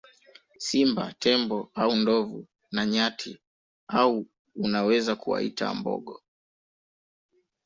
Simba Tembo au ndovu na nyati au unaweza kuwaita mbogo